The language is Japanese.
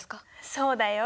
そうだよ。